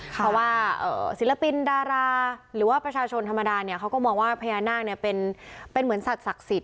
เพราะว่าศิลปินดาราหรือว่าประชาชนธรรมดาเนี่ยเขาก็มองว่าพญานาคเป็นเหมือนสัตว์สิท